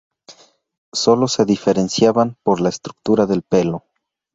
Sólo se diferenciaban por la estructura del pelo.